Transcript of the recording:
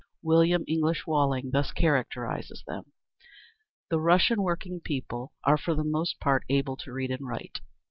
William English Walling thus characterises them: The Russian working people are for the most part able to read and write.